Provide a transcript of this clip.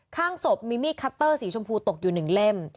ข้างศพมีมีดคัตเตอร์สีชมพูตกอยู่๑เล่ม